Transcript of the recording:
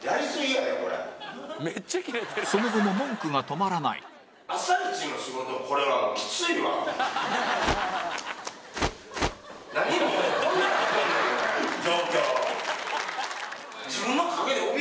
その後も文句が止まらない状況！